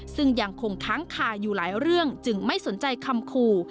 ซึ่งยังคงค้างคาอยู่หลายเรื่องจึงไม่สนใจคำขู่